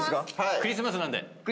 クリスマスなんで。